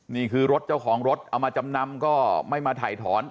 นี่คือรถเจ้าของรถเอามาจำนำก็ไม่มาถ่ายถอน